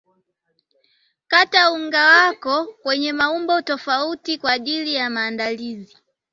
kata unga wako kwenye maumbo tofauti kwa aijli ya maandazi